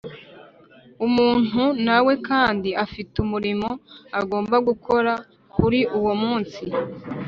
. Umuntu nawe kandi afite umurimo agomba gukora kuri uwo munsi